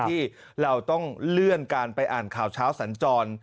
ที่เราต้องเลื่อนการไปอ่านข่าวเช้าสัญจร